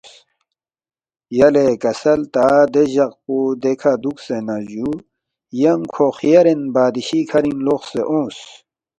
یلے کسل تا دے جق پو دیکھہ دُوکسے نہ جُو ینگ کھو خیارین بادشی کھرِنگ لوقسے اونگس